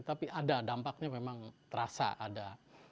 tapi ada dampaknya memang terasa ada